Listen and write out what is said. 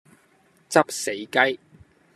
執死雞